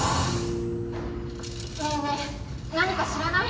ねえねえ何か知らない？